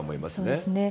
そうですね。